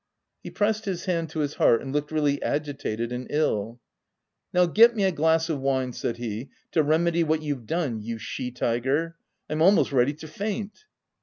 He pressed his hand to his heart, and looked really agitated and ill. u Now get me a glass of wine," said he, " to remedy what you've done, you she tiger ! I'm almost ready to faint."